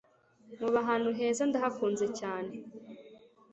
muba ahantu heza ndahakunze cyane